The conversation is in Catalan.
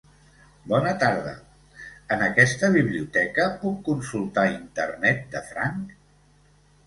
Bona tarda. En aquesta biblioteca puc consultar Internet de franc?